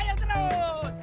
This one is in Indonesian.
biar gitu loh